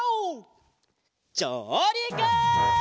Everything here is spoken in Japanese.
じょうりく！